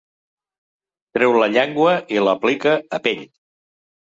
Treu la llengua i l'aplica “a pell”.